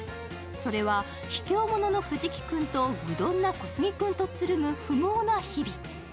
それはひきょう者の藤木君と愚鈍な小杉君とつるむ不毛な日々。